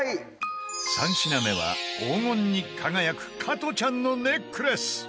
３品目は、黄金に輝く加トちゃんのネックレス